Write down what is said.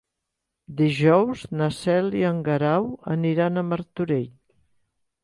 Dijous na Cel i en Guerau aniran a Martorell.